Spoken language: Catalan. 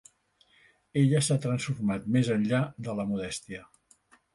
Ella s'ha transformat més enllà de la modèstia.